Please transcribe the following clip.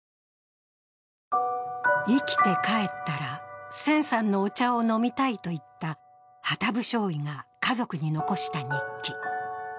生きて帰ったら千さんのお茶を飲みたいと言った旗生少尉が家族に残した日記。